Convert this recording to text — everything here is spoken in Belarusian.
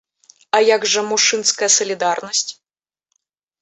А як жа мужчынская салідарнасць?